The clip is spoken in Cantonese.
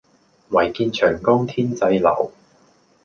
唯見長江天際流